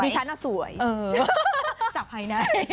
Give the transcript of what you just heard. ใช่